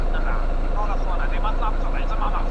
هغه خپله ژمنه پوره کړې وه.